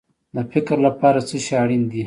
د فکر لپاره څه شی اړین دی؟